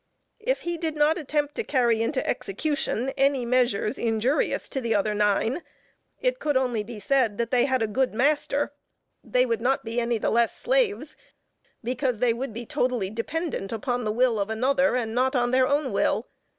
If he did not attempt to carry into execution any measures injurious to the other nine, it could only be said that they had a good master; they would not be the less slaves, because they would be totally dependent upon the will of another and not on their own will.